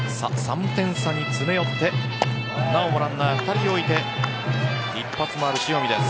３点差に詰め寄ってなおもランナー２人を置いて一発のある塩見。